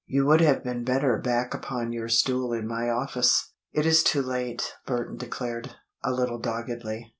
You would have been better back upon your stool in my office." "It is too late," Burton declared, a little doggedly.